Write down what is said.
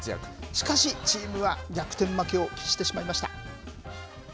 しかし、チームは逆転負けを喫してしまいました。